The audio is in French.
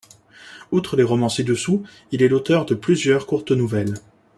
Outre les romans ci-dessous, il est l'auteur de plusieurs courtes nouvelles.